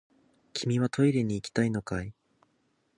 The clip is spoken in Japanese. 君はトイレに行きたいのかい？